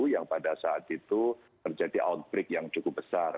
yang pada saat itu terjadi outbreak yang cukup besar